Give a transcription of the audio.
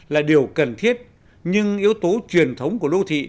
là điều cần thiết nhưng yếu tố truyền thống của đô thị